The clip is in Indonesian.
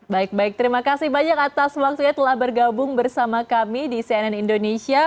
baik baik terima kasih banyak atas waktunya telah bergabung bersama kami di cnn indonesia